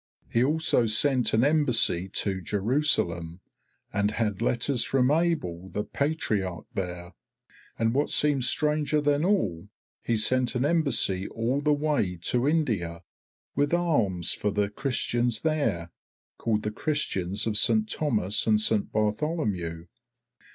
He also sent an embassy to Jerusalem, and had letters from Abel the Patriarch there. And what seems stranger than all, he sent an embassy all the way to India, with alms for the Christians there, called the Christians of Saint Thomas and Saint Bartholomew.